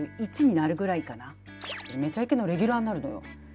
「めちゃイケ」のレギュラーになるのよ。